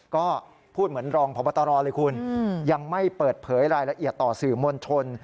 ก็พูดเหมือนรองพบตรเลยคุณยังไม่เปิดเผยรายละเอียดต่อสื่อมวลชน